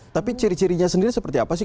tapi ciri cirinya sendiri seperti apa sih